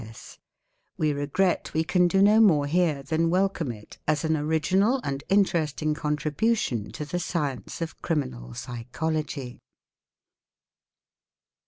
C.S. We regret we can do no more here than welcome it as an original and interesting contribution to the science of Criminal Psychology.